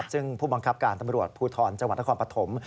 ซึ่งผู้บังคับการตำรวจภูทรจังหวัดนครปฐม